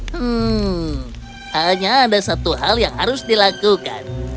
hmm hanya ada satu hal yang harus dilakukan